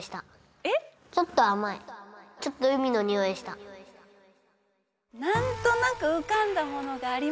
ここでなんとなくうかんだものがあります。